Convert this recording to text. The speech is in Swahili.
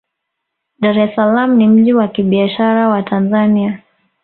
dar es salaam ni mji wa kibiashara wa tanzania